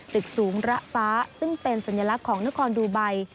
ตึกสูงระฟ้าซึ่งเป็นสัญลักษณ์ของนครดูไบ